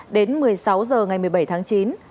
đến một mươi sáu h ngày một mươi bảy tháng chín